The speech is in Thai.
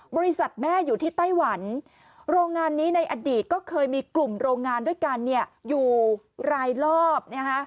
บริษัทแม่อยู่ที่ไต้หวันโรงงานนี้ในอดีตก็เคยมีกลุ่มโรงงานด้วยกันอยู่รายรอบ